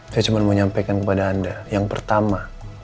saya cuma mau nyampaikan kepada anda yang pertama